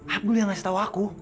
abdul yang ngasih tahu aku